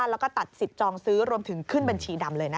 แล้วก็ตัดสิทธิ์จองซื้อรวมถึงขึ้นบัญชีดำเลยนะคะ